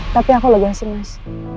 tapi aku lebih asing mas